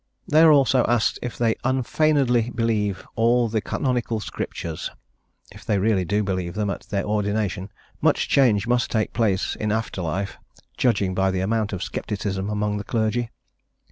They are also asked if they "unfeignedly believe all the Canonical Scriptures." If they really do believe them at their ordination much change must take place in after life, judging by the amount of scepticism among the clergy.